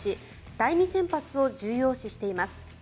第２先発を重要視しています。